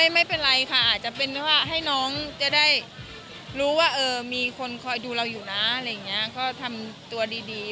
ไม่เป็นไรค่ะอาจจะเป็นว่าให้น้องจะได้รู้ว่ามีคนคอยดูเราอยู่นะอะไรอย่างนี้ก็ทำตัวดี